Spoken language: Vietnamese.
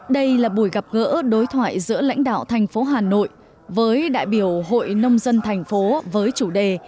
đây là buổi gặp gỡ đối thoại giữa lãnh đạo thành phố hà nội với đại biểu hội nông dân thành phố với chủ đề